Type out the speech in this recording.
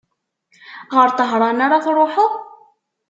Ɣer Tahran ara truḥeḍ?